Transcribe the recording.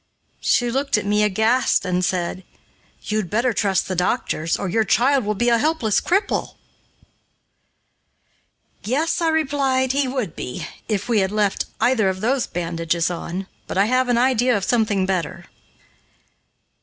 She looked at me aghast and said, "You'd better trust the doctors, or your child will be a helpless cripple." "Yes," I replied, "he would be, if we had left either of those bandages on, but I have an idea of something better."